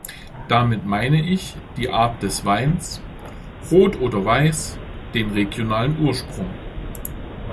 Damit meine ich die Art des Weins, rot oder weiß, den regionalen Ursprung.